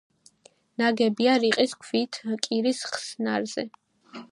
ნაგებია რიყის ქვით კირის ხსნარზე.